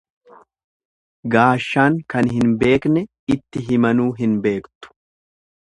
Gaashaan kan hin beekne itti himanuu hin beektu.